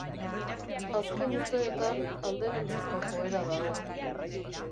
Azken urteetan, alderantzizko joera dago.